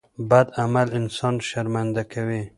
بد عمل انسان شرمنده کوي.